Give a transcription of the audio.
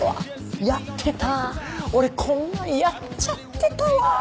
俺こんなんやっちゃってたわ。